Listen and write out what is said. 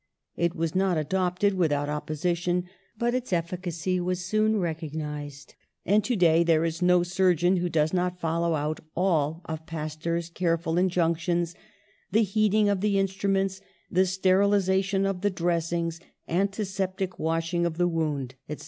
It was not adopted without opposition, but its efficacy was soon recognised ; and to day there is no surgeon who does not follow out all of Pas teur's careful injunctions, the heating of instru ments, the sterilisation of dressings, antiseptic washing of the wound, etc.